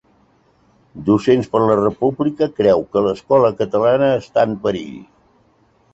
Docents per la República creu que l'escola catalana està en perill